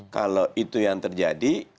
kalau itu yang terjadi